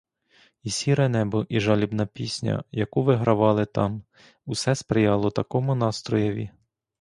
І сіре небо, і жалібна пісня, яку вигравали там, — усе сприяло такому настроєві.